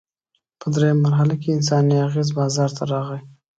په درېیمه مرحله کې انساني اغېز بازار ته راغی.